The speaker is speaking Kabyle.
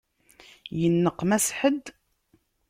Yenneqmas ḥedd?